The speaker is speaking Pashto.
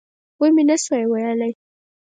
ومې نه شوای ویلای.